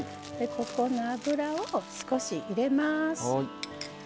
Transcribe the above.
ここに油を少し入れます。